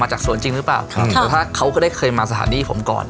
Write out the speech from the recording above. จากสวนจริงหรือเปล่าครับแต่ถ้าเขาก็ได้เคยมาสถานีผมก่อน